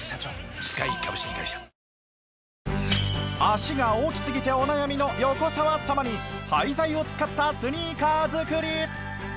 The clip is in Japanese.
足が大きすぎてお悩みの横澤様に廃材を使ったスニーカー作り。